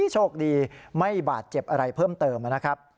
โชคดีไม่บาดเจ็บอะไรเพิ่มเติมนะครับ